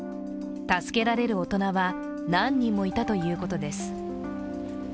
助けられる大人は何人もいたということです。